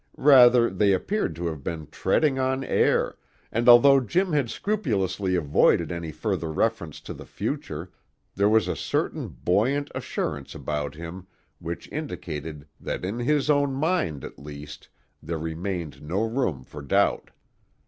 Rather they appeared to have been treading on air, and although Jim had scrupulously avoided any further reference to the future, there was a certain buoyant assurance about him which indicated that in his own mind, at least, there remained no room for doubt.